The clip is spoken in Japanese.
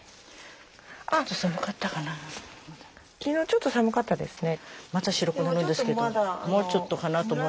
昨日ちょっと寒かったですね。